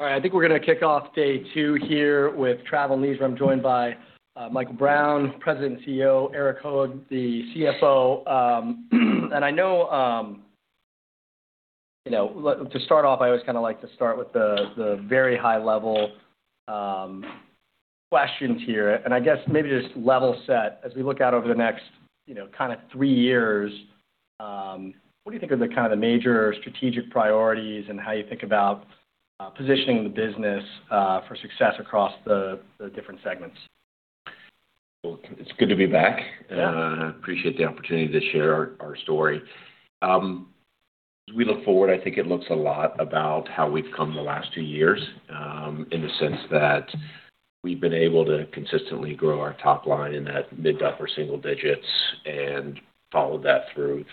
All right. I think we're going to kick off day two here with Travel + Leisure. I'm joined by Michael Brown, President and CEO, Erik Hoag, the CFO. To start off, I always like to start with the very high-level questions here, and I guess maybe just level set as we look out over the next three years. What do you think are the major strategic priorities and how you think about positioning the business for success across the different segments? Well, it's good to be back. Yeah. Appreciate the opportunity to share our story. As we look forward, I think it looks a lot about how we've come the last two years, in the sense that we've been able to consistently grow our top line in that mid to upper single digits and followed that through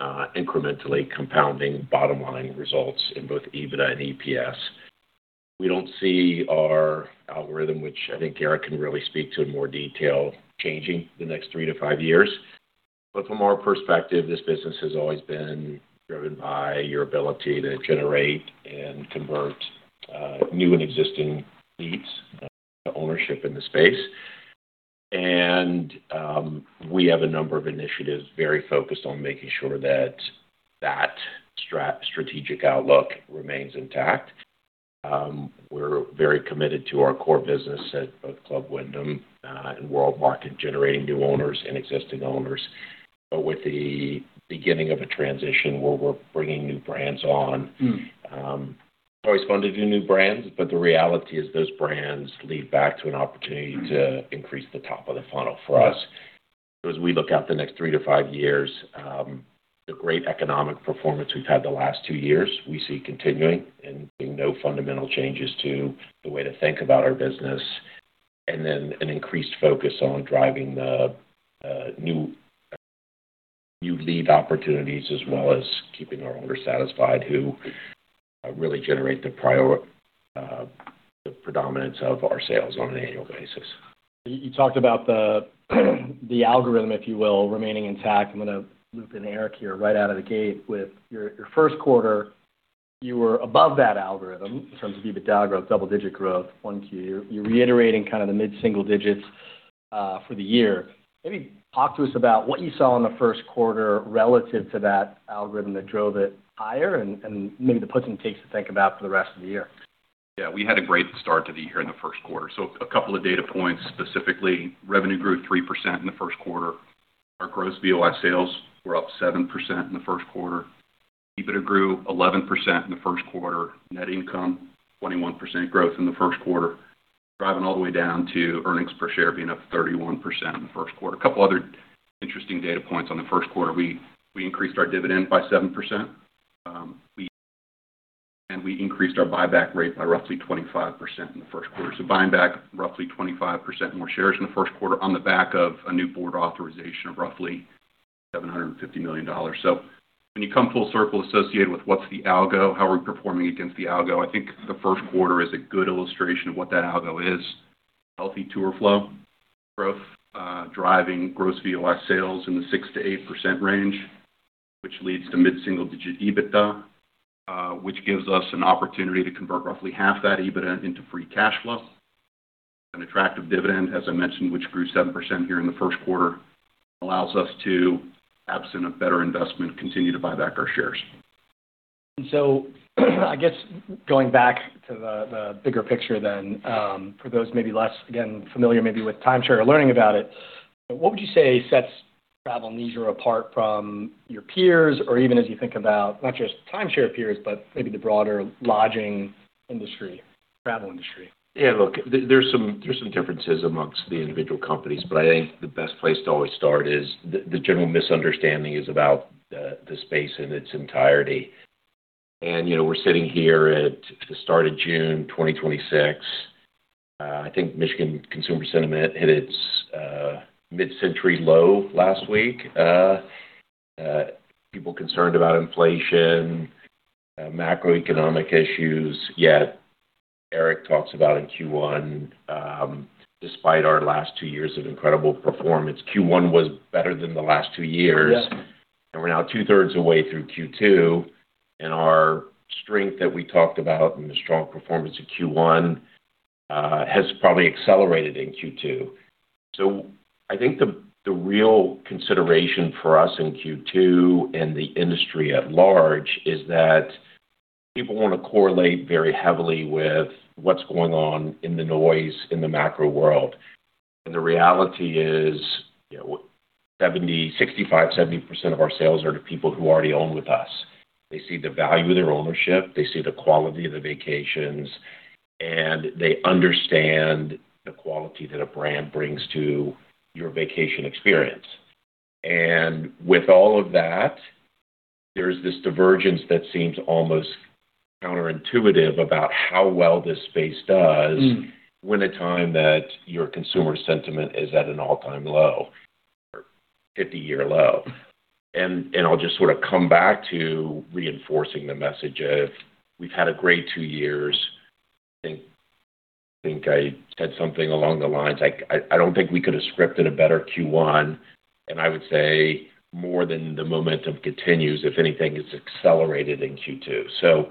incrementally compounding bottom-line results in both EBITDA and EPS. We don't see our algorithm, which I think Erik can really speak to in more detail, changing the next three to five years. From our perspective, this business has always been driven by your ability to generate and convert new and existing leads to ownership in the space. We have a number of initiatives very focused on making sure that strategic outlook remains intact. We're very committed to our core business at both Club Wyndham and WorldMark in generating new owners and existing owners. With the beginning of a transition where we're bringing new brands on, it's always fun to do new brands, but the reality is those brands lead back to an opportunity to increase the top of the funnel for us. As we look out the next three to five years, the great economic performance we've had the last two years, we see continuing and no fundamental changes to the way to think about our business. Then an increased focus on driving the new lead opportunities, as well as keeping our owners satisfied, who really generate the predominance of our sales on an annual basis. You talked about the algorithm, if you will, remaining intact. I'm going to loop in Erik here right out of the gate with your first quarter, you were above that algorithm in terms of EBITDA growth, double-digit growth, 1Q. You're reiterating the mid-single digits for the year. Maybe talk to us about what you saw in the first quarter relative to that algorithm that drove it higher and maybe the puts and takes to think about for the rest of the year. Yeah, we had a great start to the year in the first quarter. A couple of data points, specifically, revenue grew 3% in the first quarter. Our gross VOI sales were up 7% in the first quarter. EBITDA grew 11% in the first quarter. Net income, 21% growth in the first quarter, driving all the way down to earnings per share being up 31% in the first quarter. A couple other interesting data points on the first quarter, we increased our dividend by 7%, and we increased our buyback rate by roughly 25% in the first quarter. Buying back roughly 25% more shares in the first quarter on the back of a new board authorization of roughly $750 million. When you come full circle associated with what's the algo, how are we performing against the algo, I think the first quarter is a good illustration of what that algo is. Healthy tour flow growth, driving gross VOI sales in the 6%-8% range, which leads to mid-single digit EBITDA, which gives us an opportunity to convert roughly half that EBITDA into free cash flow. An attractive dividend, as I mentioned, which grew 7% here in the first quarter, allows us to, absent a better investment, continue to buy back our shares. I guess going back to the bigger picture then, for those maybe less, again, familiar maybe with timeshare or learning about it, what would you say sets Travel + Leisure apart from your peers, or even as you think about not just timeshare peers, but maybe the broader lodging industry, travel industry? Look, there's some differences amongst the individual companies, I think the best place to always start is the general misunderstanding is about the space in its entirety. We're sitting here at the start of June 2026. I think Michigan Consumer Sentiment hit its mid-century low last week. People concerned about inflation, macroeconomic issues, yet Erik talks about in Q1, despite our last two years of incredible performance, Q1 was better than the last two years. Oh, yeah. We're now two-thirds of the way through Q2, and our strength that we talked about and the strong performance of Q1, has probably accelerated in Q2. I think the real consideration for us in Q2 and the industry at large is that people want to correlate very heavily with what's going on in the noise in the macro world. The reality is 65%, 70% of our sales are to people who already own with us. They see the value of their ownership, they see the quality of the vacations, and they understand the quality that a brand brings to your vacation experience. With all of that, there's this divergence that seems almost counterintuitive about how well this space does when a time that your consumer sentiment is at an all-time low or 50-year low. I'll just sort of come back to reinforcing the message of we've had a great two years. I think I said something along the lines, I don't think we could have scripted a better Q1, I would say more than the momentum continues, if anything, it's accelerated in Q2.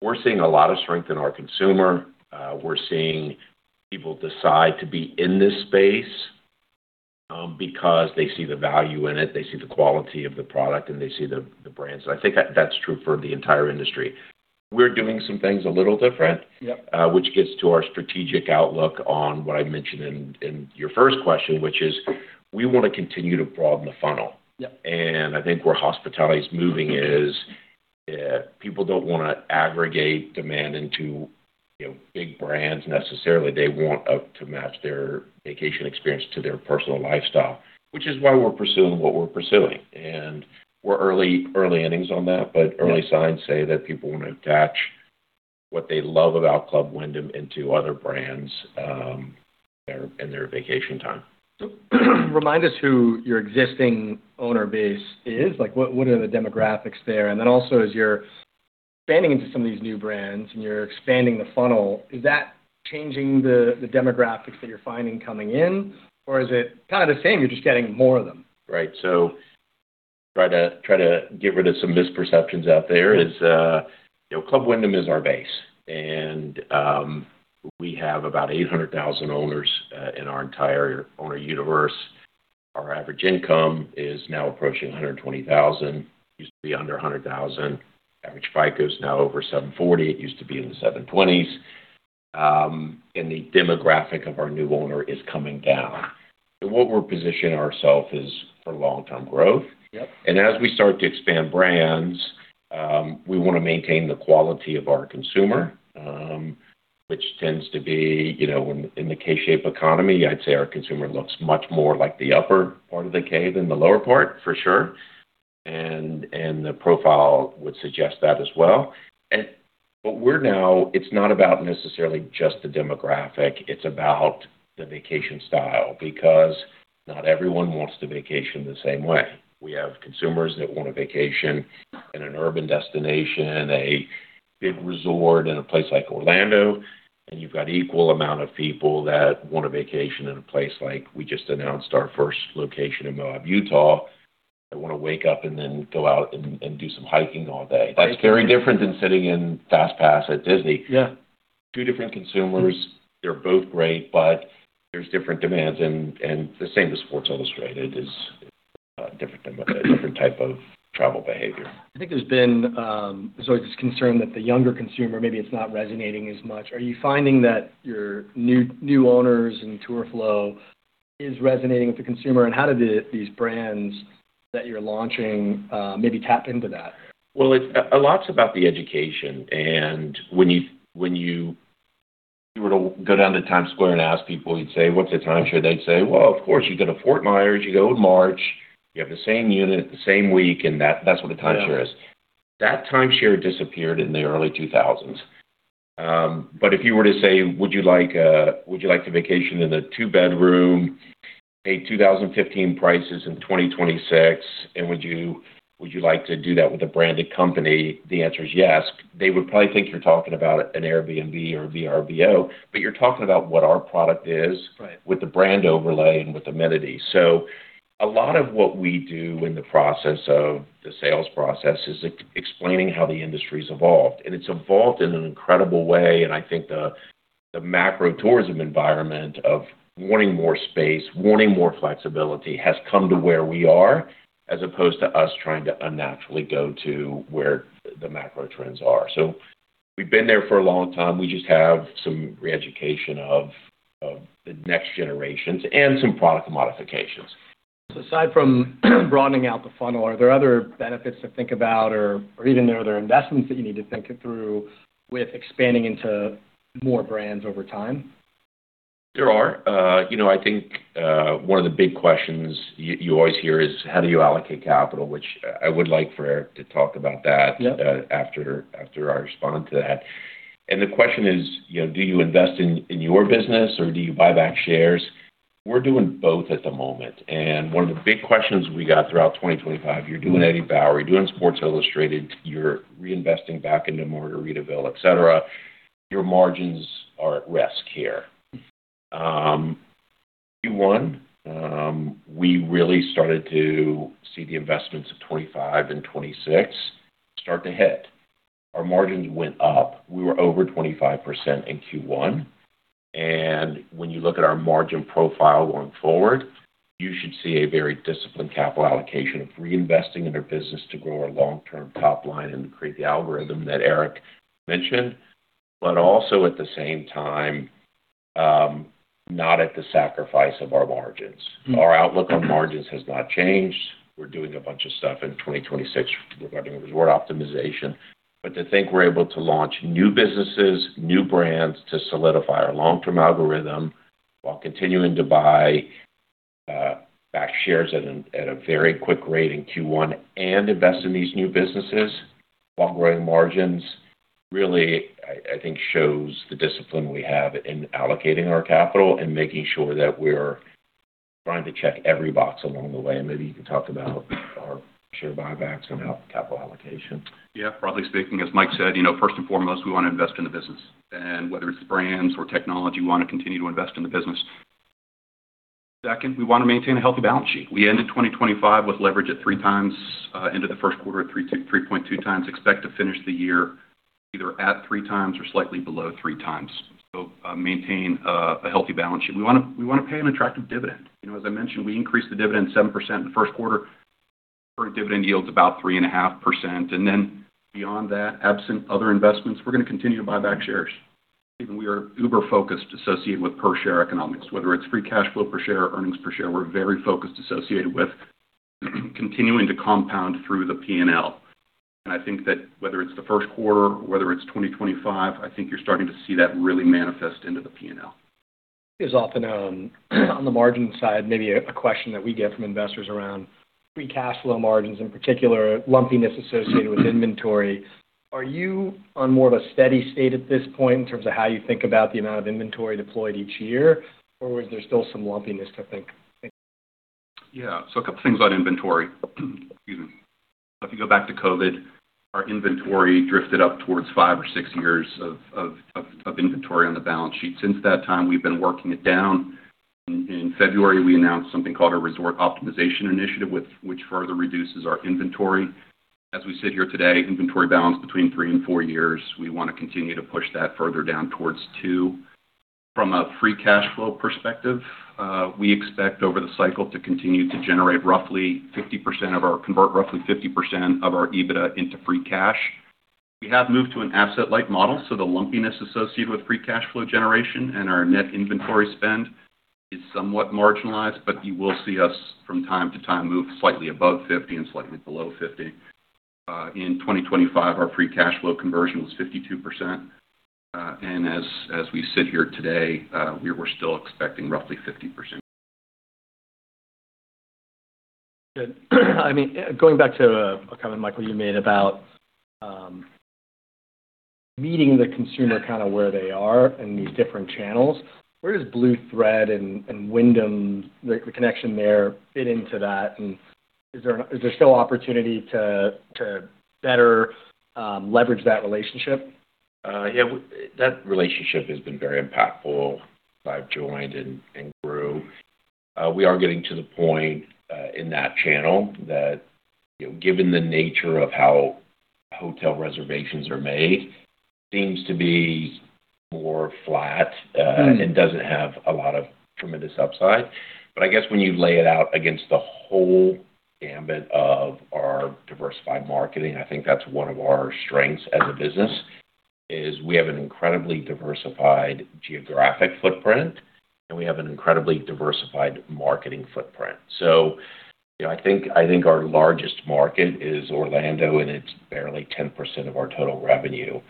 We're seeing a lot of strength in our consumer. We're seeing people decide to be in this space because they see the value in it, they see the quality of the product, and they see the brands. I think that's true for the entire industry. We're doing some things a little different. Yep. Which gets to our strategic outlook on what I mentioned in your first question, which is we want to continue to broaden the funnel. Yep. I think where hospitality is moving is people don't want to aggregate demand into big brands necessarily. They want to match their vacation experience to their personal lifestyle, which is why we're pursuing what we're pursuing. We're early innings on that, but early signs say that people want to attach what they love about Club Wyndham into other brands and their vacation time. Remind us who your existing owner base is? What are the demographics there? Also, as you're expanding into some of these new brands and you're expanding the funnel, is that changing the demographics that you're finding coming in? Is it kind of the same, you're just getting more of them? Right. Try to get rid of some misperceptions out there is, Club Wyndham is our base, and we have about 800,000 owners in our entire owner universe. Our average income is now approaching $120,000. It used to be under $100,000. Average FICO is now over 740. It used to be in the 720s. The demographic of our new owner is coming down. What we're positioning ourself is for long-term growth. Yep. As we start to expand brands, we want to maintain the quality of our consumer, which tends to be in the K-shaped economy, I'd say our consumer looks much more like the upper part of the K than the lower part, for sure. The profile would suggest that as well. What we're now, it's not about necessarily just the demographic, it's about the vacation style because not everyone wants to vacation the same way. We have consumers that want to vacation in an urban destination, a big resort in a place like Orlando, and you've got equal amount of people that want to vacation in a place like we just announced our first location in Moab, Utah. They want to wake up and then go out and do some hiking all day. That's very different than sitting in FastPass at Disney. Yeah. Two different consumers. They're both great, there's different demands. The same as Sports Illustrated is a different type of travel behavior. I think there's been always this concern that the younger consumer, maybe it's not resonating as much. Are you finding that your new owners and tour flow is resonating with the consumer? How do these brands that you're launching maybe tap into that? Well, a lot's about the education. When you were to go down to Times Square and ask people, you'd say, "What's a timeshare?" They'd say, "Well, of course, you go to Fort Myers, you go in March, you have the same unit, the same week," and that's what a timeshare is. Yeah. That timeshare disappeared in the early 2000s. If you were to say, "Would you like to vacation in a two bedroom, pay 2015 prices in 2026? And would you like to do that with a branded company?" The answer is yes. They would probably think you're talking about an Airbnb or a Vrbo, but you're talking about what our product is- Right. With the brand overlay and with amenities. A lot of what we do in the process of the sales process is explaining how the industry's evolved. It's evolved in an incredible way. I think the macro tourism environment of wanting more space, wanting more flexibility has come to where we are, as opposed to us trying to unnaturally go to where the macro trends are. We've been there for a long time. We just have some reeducation of the next generations and some product modifications. Aside from broadening out the funnel, are there other benefits to think about or even are there investments that you need to think through with expanding into more brands over time? There are. I think one of the big questions you always hear is: How do you allocate capital? Which I would like for Erik to talk about that. Yep. After I respond to that. The question is: Do you invest in your business, or do you buy back shares? We're doing both at the moment. One of the big questions we got throughout 2025, you're doing Eddie Bauer, you're doing Sports Illustrated, you're reinvesting back into Margaritaville, et cetera. Your margins are at risk here. Q1, we really started to see the investments of 2025 and 2026 start to hit. Our margins went up. We were over 25% in Q1. When you look at our margin profile going forward, you should see a very disciplined capital allocation of reinvesting in our business to grow our long-term top line and create the algorithm that Erik mentioned. Also, at the same time, not at the sacrifice of our margins. Our outlook on margins has not changed. We're doing a bunch of stuff in 2026 regarding resort optimization. To think we're able to launch new businesses, new brands to solidify our long-term algorithm while continuing to buy back shares at a very quick rate in Q1 and invest in these new businesses while growing margins, really, I think shows the discipline we have in allocating our capital and making sure that we're. Trying to check every box along the way, and maybe you can talk about our share buybacks and capital allocation. Yeah. Broadly speaking, as Mike said, first and foremost, we want to invest in the business. Whether it's brands or technology, we want to continue to invest in the business. Second, we want to maintain a healthy balance sheet. We ended 2025 with leverage at three times, into the first quarter at 3.2 times. Expect to finish the year either at three times or slightly below three times. We want to maintain a healthy balance sheet. We want to pay an attractive dividend. As I mentioned, we increased the dividend 7% in the first quarter. Current dividend yield is about 3.5%. Beyond that, absent other investments, we're going to continue to buy back shares. David, we are uber focused associated with per share economics, whether it's free cash flow per share or earnings per share. We're very focused associated with continuing to compound through the P&L. I think that whether it's the first quarter or whether it's 2025, I think you're starting to see that really manifest into the P&L. Is often on the margin side, maybe a question that we get from investors around free cash flow margins, in particular lumpiness associated with inventory. Are you on more of a steady state at this point in terms of how you think about the amount of inventory deployed each year, or is there still some lumpiness to think? Yeah. A couple things about inventory. Excuse me. If you go back to COVID, our inventory drifted up towards five or six years of inventory on the balance sheet. Since that time, we've been working it down. In February, we announced something called a Resort Optimization Initiative, which further reduces our inventory. As we sit here today, inventory balance between three and four years. We want to continue to push that further down towards two. From a free cash flow perspective, we expect over the cycle to convert roughly 50% of our EBITDA into free cash. We have moved to an asset-light model, the lumpiness associated with free cash flow generation and our net inventory spend is somewhat marginalized, but you will see us from time to time move slightly above 50% and slightly below 50%. In 2025, our free cash flow conversion was 52%, and as we sit here today, we're still expecting roughly 50%. Good. Going back to a comment, Michael, you made about meeting the consumer where they are in these different channels, where does Blue Thread and Wyndham, the connection there, fit into that, and is there still opportunity to better leverage that relationship? Yeah. That relationship has been very impactful since I've joined and grew. We are getting to the point in that channel that given the nature of how hotel reservations are made, seems to be more flat and doesn't have a lot of tremendous upside. I guess when you lay it out against the whole gamut of our diversified marketing, I think that's one of our strengths as a business, is we have an incredibly diversified geographic footprint, and we have an incredibly diversified marketing footprint. I think our largest market is Orlando, and it's barely 10% of our total revenue.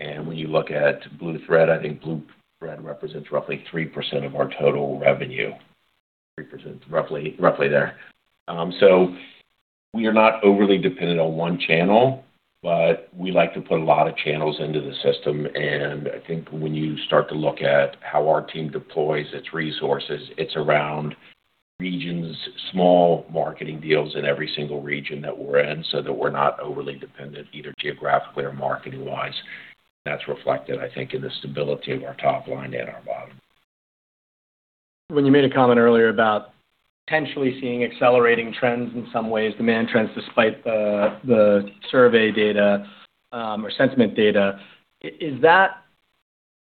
When you look at Blue Thread, I think Blue Thread represents roughly 3% of our total revenue. 3%. Roughly there. We are not overly dependent on one channel, but we like to put a lot of channels into the system, and I think when you start to look at how our team deploys its resources, it's around regions, small marketing deals in every single region that we're in, so that we're not overly dependent either geographically or marketing wise. That's reflected, I think, in the stability of our top line and our bottom. When you made a comment earlier about potentially seeing accelerating trends in some ways, demand trends despite the survey data or sentiment data, is that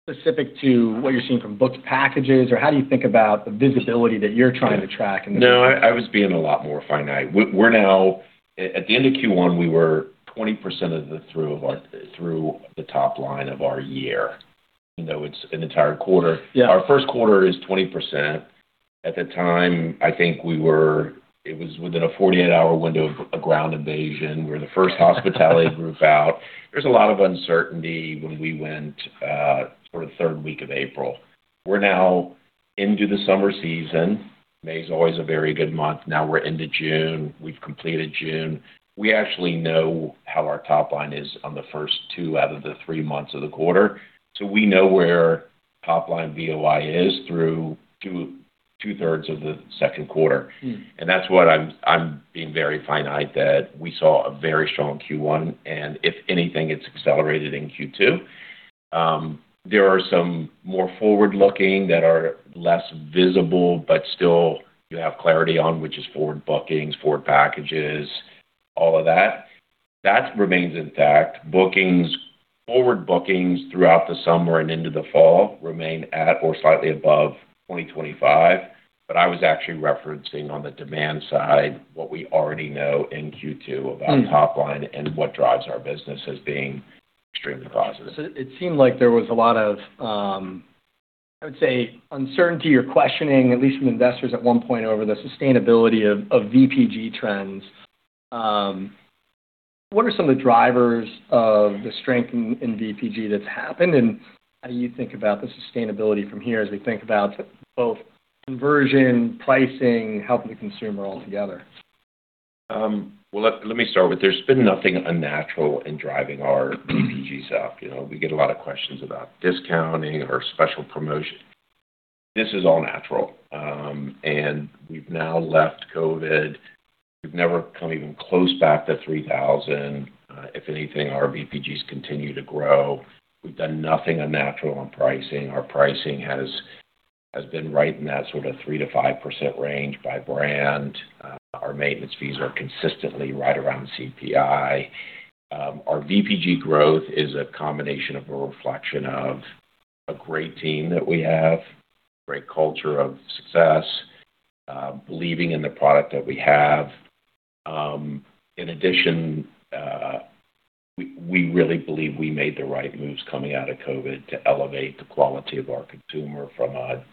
specific to what you're seeing from booked packages? How do you think about the visibility that you're trying to track in the? No, I was being a lot more finite. At the end of Q1, we were 20% through the top line of our year, even though it's an entire quarter. Yeah. Our first quarter is 20%. At the time, I think it was within a 48-hour window of a ground invasion. We're the first hospitality group out. There was a lot of uncertainty when we went for the third week of April. We're now into the summer season. May is always a very good month. Now we're into June. We've completed June. We actually know how our top line is on the first two out of the three months of the quarter. We know where top line VOI is through two-thirds of the second quarter. That's what I'm being very finite that we saw a very strong Q1, and if anything, it's accelerated in Q2. There are some more forward-looking that are less visible, but still you have clarity on, which is forward bookings, forward packages, all of that. That remains intact. Bookings, forward bookings throughout the summer and into the fall remain at or slightly above 2025. I was actually referencing on the demand side, what we already know in Q2 about top line and what drives our business as being extremely positive. It seemed like there was a lot of, I would say, uncertainty or questioning, at least from investors at one point, over the sustainability of VPG trends. What are some of the drivers of the strength in VPG that's happened, and how do you think about the sustainability from here as we think about both conversion, pricing, helping the consumer altogether? Well, let me start with there's been nothing unnatural in driving our VPGs up. We get a lot of questions about discounting or special promotion. This is all natural. We've now left COVID. We've never come even close back to 3,000. If anything, our VPGs continue to grow. We've done nothing unnatural on pricing. Our pricing has been right in that sort of 3%-5% range by brand. Our maintenance fees are consistently right around CPI. Our VPG growth is a combination of a reflection of a great team that we have, great culture of success, believing in the product that we have. In addition, we really believe we made the right moves coming out of COVID to elevate the quality of our consumer from a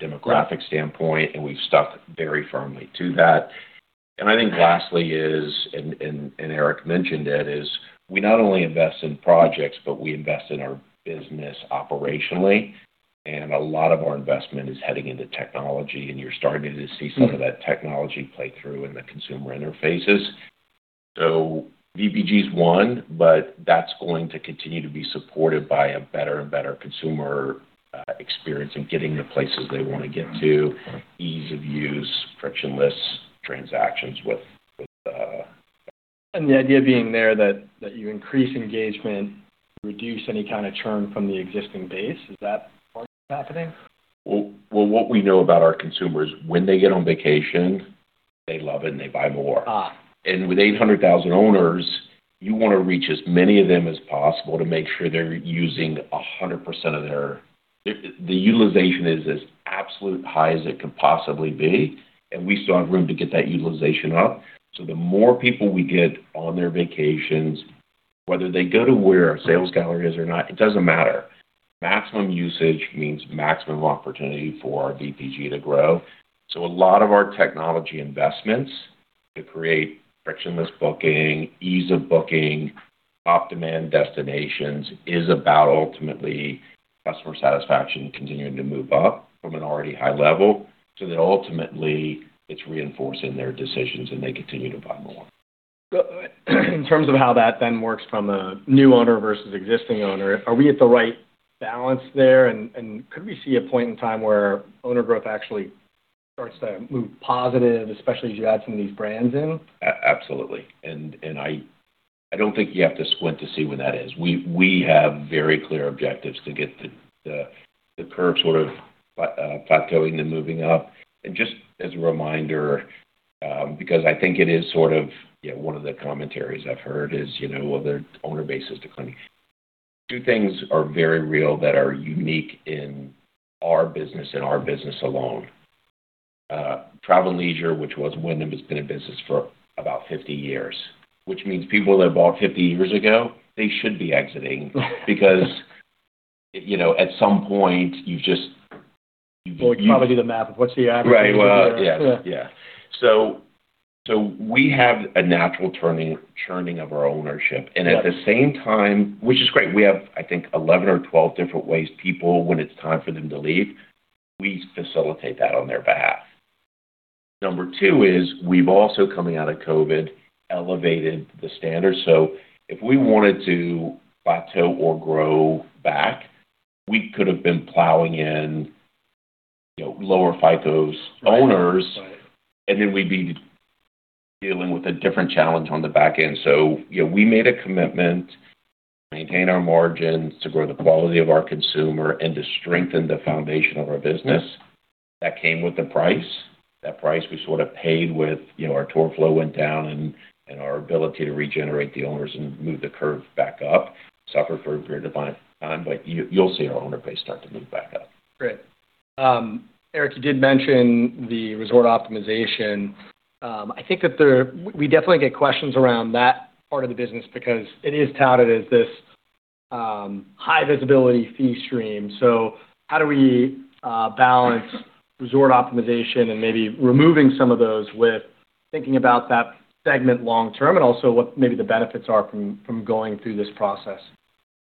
demographic standpoint, and we've stuck very firmly to that. I think lastly is, and Erik mentioned it, is we not only invest in projects, but we invest in our business operationally, and a lot of our investment is heading into technology, and you're starting to see some of that technology play through in the consumer interfaces. VPGs one, but that's going to continue to be supported by a better and better consumer experience in getting the places they want to get to, ease of use, frictionless transactions with. The idea being there that you increase engagement, reduce any kind of churn from the existing base. Is that partly happening? Well, what we know about our consumers, when they get on vacation, they love it and they buy more. With 800,000 owners, you want to reach as many of them as possible to make sure The utilization is as absolute high as it could possibly be, and we still have room to get that utilization up. The more people we get on their vacations, whether they go to where our sales gallery is or not, it doesn't matter. Maximum usage means maximum opportunity for our VPG to grow. A lot of our technology investments to create frictionless booking, ease of booking, top-demand destinations is about ultimately customer satisfaction continuing to move up from an already high level so that ultimately it's reinforcing their decisions and they continue to buy more. In terms of how that then works from a new owner versus existing owner, are we at the right balance there, and could we see a point in time where owner growth actually starts to move positive, especially as you add some of these brands in? Absolutely. I don't think you have to squint to see where that is. We have very clear objectives to get the curve sort of plateauing, then moving up. Just as a reminder, because I think it is sort of one of the commentaries I've heard is, well, their owner base is declining. Two things are very real that are unique in our business and our business alone. Travel + Leisure, which was Wyndham, has been in business for about 50 years, which means people that bought 50 years ago, they should be exiting. Because at some point, you just. Well, you probably do the math of what's the average. Right. Well, yes. Yeah. Yeah. We have a natural churning of our ownership. Right. At the same time, which is great, we have, I think, 11 or 12 different ways people, when it's time for them to leave, we facilitate that on their behalf. Number two is we've also, coming out of COVID, elevated the standards. If we wanted to plateau or grow back, we could have been plowing in lower FICO's owners. Right. We'd be dealing with a different challenge on the back end. We made a commitment to maintain our margins, to grow the quality of our consumer, and to strengthen the foundation of our business. That came with the price. That price we sort of paid with our tour flow went down and our ability to regenerate the owners and move the curve back up suffered for a period of time, but you'll see our owner base start to move back up. Great. Erik, you did mention the resort optimization. We definitely get questions around that part of the business because it is touted as this high visibility fee stream. How do we balance resort optimization and maybe removing some of those with thinking about that segment long term and also what maybe the benefits are from going through this process?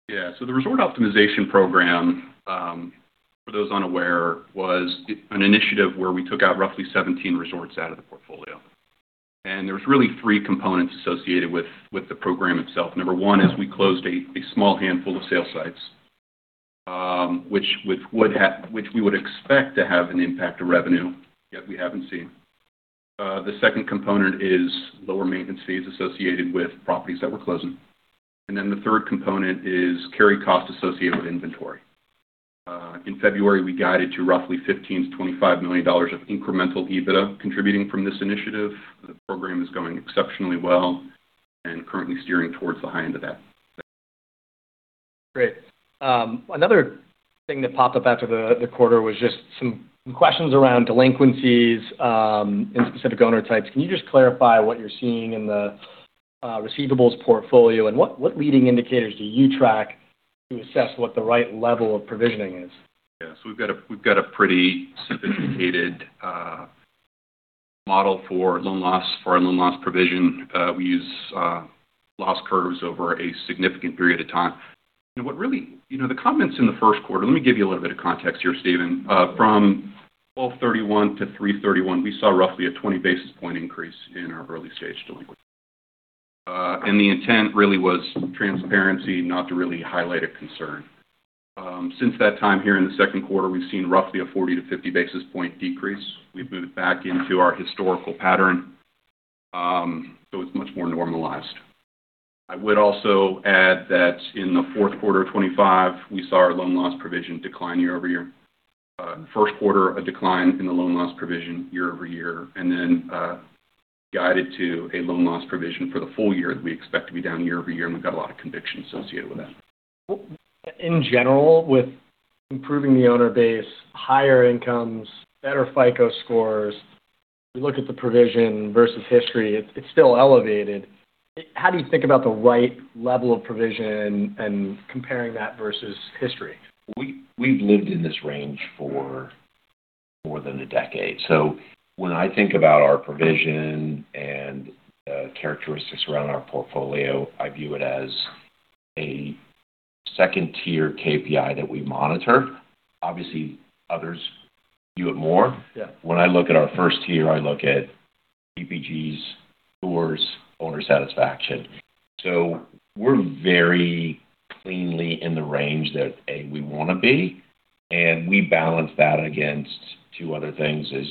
Yeah. The Resort Optimization Program, for those unaware, was an initiative where we took out roughly 17 resorts out of the portfolio. There's really three components associated with the program itself. Number one is we closed a small handful of sales sites, which we would expect to have an impact to revenue, yet we haven't seen. The second component is lower maintenance fees associated with properties that we're closing. The third component is carry cost associated with inventory. In February, we guided to roughly $15 million-$25 million of incremental EBITDA contributing from this initiative. The program is going exceptionally well and currently steering towards the high end of that. Great. Another thing that popped up after the quarter was just some questions around delinquencies in specific owner types. Can you just clarify what you're seeing in the receivables portfolio and what leading indicators do you track to assess what the right level of provisioning is? We've got a pretty sophisticated model for our loan loss provision. We use loss curves over a significant period of time. The comments in the first quarter, let me give you a little bit of context here, Stephen. From 12/31 to 3/31, we saw roughly a 20 basis point increase in our early stage delinquencies. The intent really was transparency, not to really highlight a concern. Since that time, here in the second quarter, we've seen roughly a 40-50 basis points decrease. We've moved back into our historical pattern, it's much more normalized. I would also add that in the fourth quarter of 2025, we saw our loan loss provision decline year-over-year. First quarter, a decline in the loan loss provision year-over-year, and then guided to a loan loss provision for the full year that we expect to be down year-over-year, and we've got a lot of conviction associated with that. In general, with improving the owner base, higher incomes, better FICO scores, you look at the provision versus history, it's still elevated. How do you think about the right level of provision and comparing that versus history? We've lived in this range for more than a decade. When I think about our provision and characteristics around our portfolio, I view it as a 2-tier KPI that we monitor. Obviously, others view it more. Yeah. When I look at our first tier, I look at VPGs, tours, owner satisfaction. We're very cleanly in the range that, A, we want to be, and we balance that against two other things is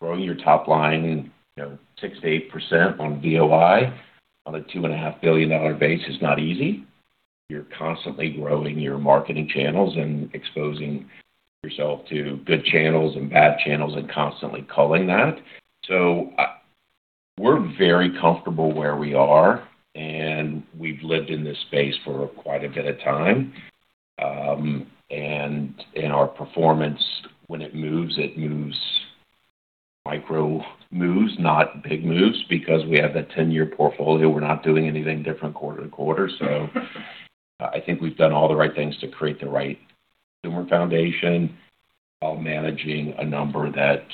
growing your top line 6%-8% on VOI on a $2.5 billion base is not easy. You're constantly growing your marketing channels and exposing yourself to good channels and bad channels and constantly culling that. We're very comfortable where we are, and we've lived in this space for quite a bit of time. Our performance, when it moves, it moves micro moves, not big moves, because we have that 10-year portfolio. We're not doing anything different quarter-to-quarter. I think we've done all the right things to create the right consumer foundation while managing a number that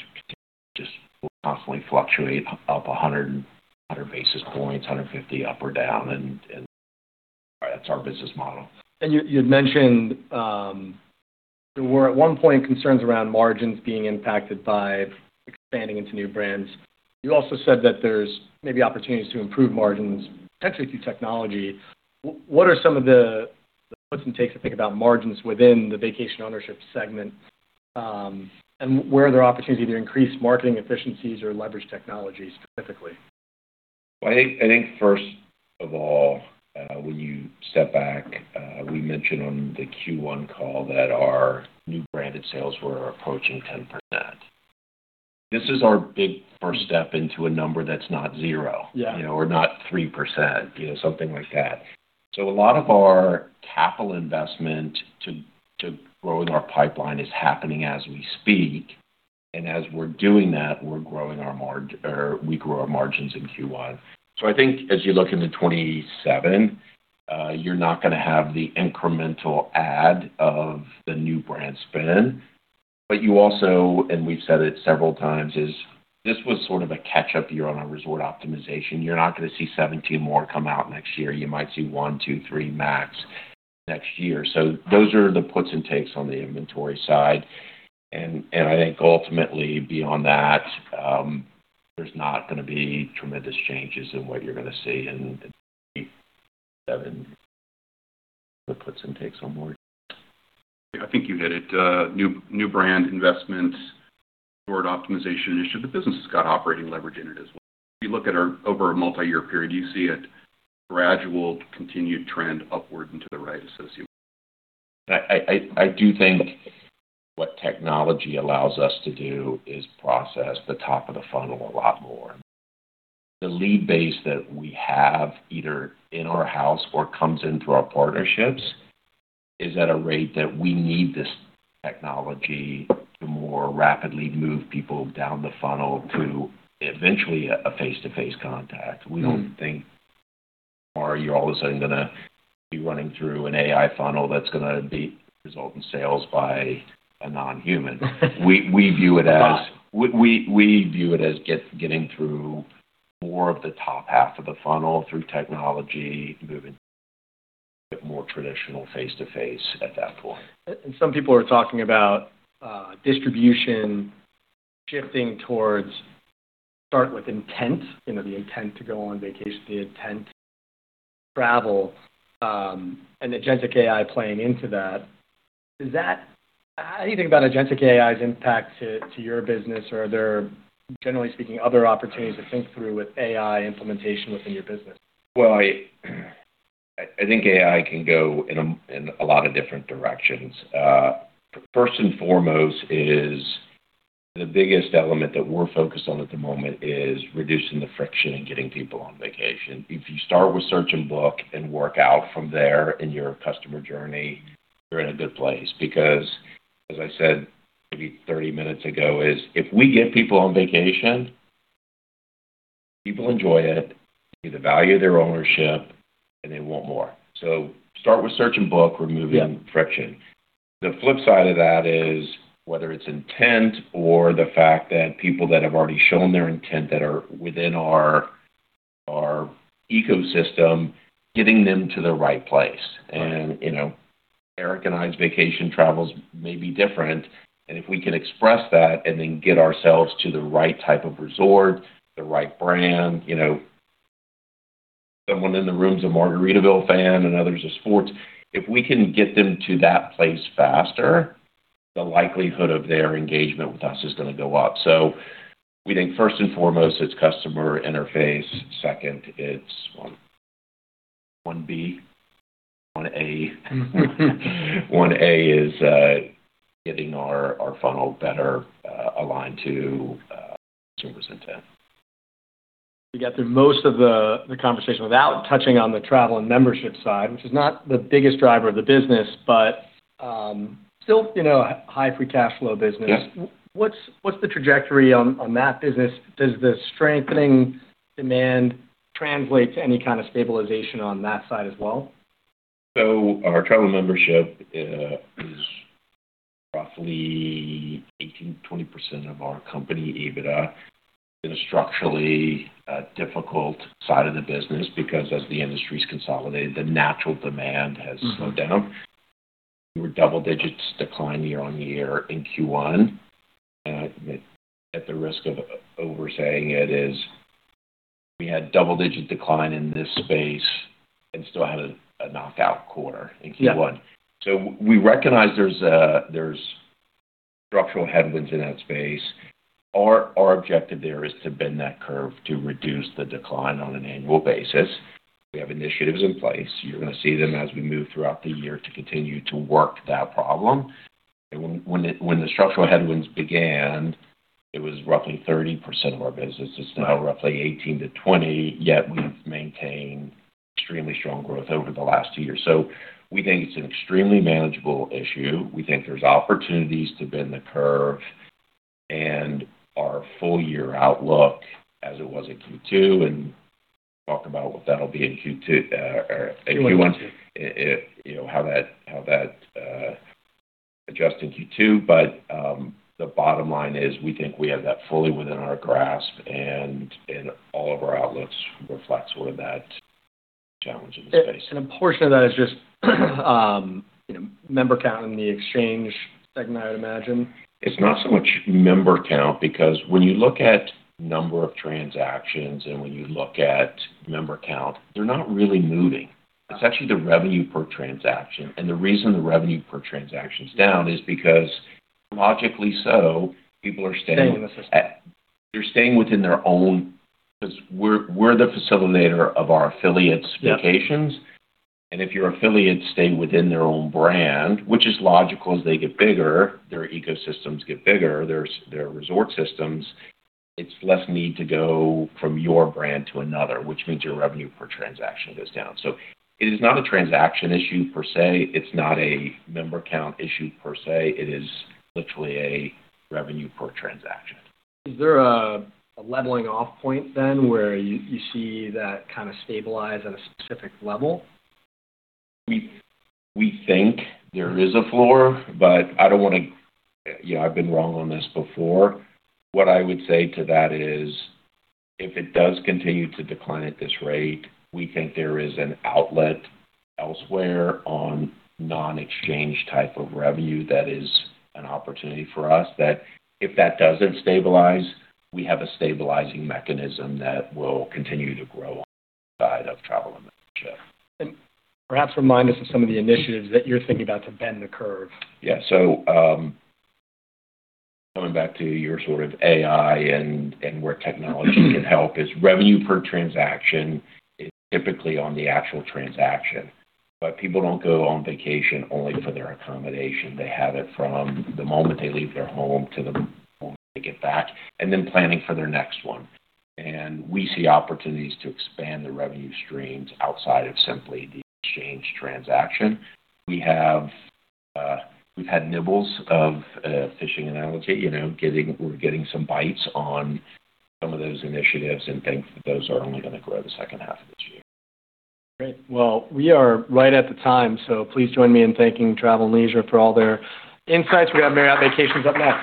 just will constantly fluctuate up 100 basis points, 150 up or down, and that's our business model. You'd mentioned there were, at one point, concerns around margins being impacted by expanding into new brands. You also said that there's maybe opportunities to improve margins, potentially through technology. What are some of the puts and takes to think about margins within the Vacation Ownership segment? Where are there opportunity to increase marketing efficiencies or leverage technology specifically? I think first of all, when you step back, we mentioned on the Q1 call that our new branded sales were approaching 10%. This is our big first step into a number that's not zero. Yeah. Or not 3%, something like that. A lot of our capital investment to growing our pipeline is happening as we speak, and as we're doing that, we grow our margins in Q1. I think as you look into 2027, you're not going to have the incremental add of the new brand spend. You also, and we've said it several times, is this was sort of a catch-up year on our resort optimization. You're not going to see 17 more come out next year. You might see one, two, three max next year. Those are the puts and takes on the inventory side. I think ultimately beyond that, there's not going to be tremendous changes in what you're going to see in 2027. The puts and takes on more. I think you hit it. New brand investments, resort optimization initiative. The business has got operating leverage in it as well. If you look over a multiyear period, you see a gradual continued trend upward and to the right associated. I do think what technology allows us to do is process the top of the funnel a lot more. The lead base that we have, either in our house or comes in through our partnerships, is at a rate that we need this technology to more rapidly move people down the funnel to eventually a face-to-face contact. We don't think tomorrow you're all of a sudden going to be running through an AI funnel that's going to result in sales by a non-human. Right. We view it as getting through more of the top half of the funnel through technology, moving to a bit more traditional face-to-face at that point. Some people are talking about distribution shifting towards start with intent, the intent to go on vacation, the intent to travel, and agentic AI playing into that. How do you think about agentic AI's impact to your business? Are there, generally speaking, other opportunities to think through with AI implementation within your business? Well, I think AI can go in a lot of different directions. First and foremost is the biggest element that we're focused on at the moment is reducing the friction in getting people on vacation. If you start with search and book and work out from there in your customer journey, you're in a good place. Because as I said maybe 30 minutes ago, is if we get people on vacation, people enjoy it, see the value of their ownership, and they want more. Start with search and book, removing friction. The flip side of that is whether it's intent or the fact that people that have already shown their intent that are within our ecosystem, getting them to the right place. Right. Erik and I's vacation travels may be different, if we can express that and then get ourselves to the right type of resort, the right brand. Someone in the room's a Margaritaville fan, others are sports. If we can get them to that place faster, the likelihood of their engagement with us is going to go up. We think first and foremost, it's customer interface. Second, it's 1B, 1A. 1A is getting our funnel better aligned to consumer's intent. We got through most of the conversation without touching on the Travel and Membership side, which is not the biggest driver of the business, but still, a high free cash flow business. Yeah. What's the trajectory on that business? Does the strengthening demand translate to any kind of stabilization on that side as well? Our Travel and Membership is roughly 18%-20% of our company EBITDA. Been a structurally difficult side of the business because as the industry's consolidated, the natural demand has slowed down. We were double-digit decline year-on-year in Q1. At the risk of over saying it is, we had double-digit decline in this space and still had a knockout quarter in Q1. Yeah. We recognize there's structural headwinds in that space. Our objective there is to bend that curve to reduce the decline on an annual basis. We have initiatives in place. You're going to see them as we move throughout the year to continue to work that problem. When the structural headwinds began, it was roughly 30% of our business. It's now roughly 18%-20%, yet we've maintained extremely strong growth over the last two years. We think it's an extremely manageable issue. We think there's opportunities to bend the curve and our full year outlook as it was in Q2, and talk about what that'll be in Q1. Q1. How that adjusts in Q2. The bottom line is, we think we have that fully within our grasp and all of our outlooks reflects sort of that challenge in the space. A portion of that is just member count in the exchange segment, I would imagine. It's not so much member count because when you look at number of transactions and when you look at member count, they're not really moving. It's actually the revenue per transaction. The reason the revenue per transaction's down is because logically so, people are staying- Staying in the system. They're staying within their own, because we're the facilitator of our affiliates' vacations. Yeah. If your affiliates stay within their own brand, which is logical as they get bigger, their ecosystems get bigger, their resort systems, it's less need to go from your brand to another, which means your revenue per transaction goes down. It is not a transaction issue per se. It's not a member count issue per se. It is literally a revenue per transaction. Is there a leveling off point then where you see that kind of stabilize at a specific level? We think there is a floor, but I've been wrong on this before. What I would say to that is, if it does continue to decline at this rate, we think there is an outlet elsewhere on non-exchange type of revenue that is an opportunity for us that if that doesn't stabilize, we have a stabilizing mechanism that will continue to grow on that side of Travel and Membership. Perhaps remind us of some of the initiatives that you're thinking about to bend the curve. Yeah. Going back to your sort of AI and where technology can help is revenue per transaction is typically on the actual transaction, but people don't go on vacation only for their accommodation. They have it from the moment they leave their home to the moment they get back, and then planning for their next one. We see opportunities to expand the revenue streams outside of simply the exchange transaction. We've had nibbles of fishing analogy, we're getting some bites on some of those initiatives and think that those are only going to grow the second half of this year. Great. Well, we are right at the time, so please join me in thanking Travel + Leisure for all their insights. We have Marriott Vacations up next.